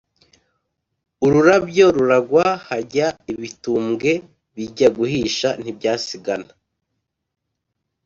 Ururabo ruragwa hajya ibitumbwe, Bijya guhisha ntibyasigana